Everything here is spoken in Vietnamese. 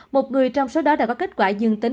một người trong số đó đã có kết quả dương tính